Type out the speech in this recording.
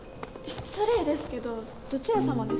失礼ですけどどちら様ですか？